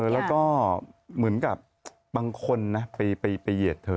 แล้วก็เหมือนกับบางคนนะไปเหยียดเธอ